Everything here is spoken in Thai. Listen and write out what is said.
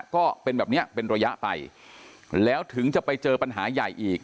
ก็เป็นแบบนี้เป็นระยะไปแล้วถึงจะไปเจอปัญหาใหญ่อีก